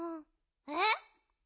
えっ？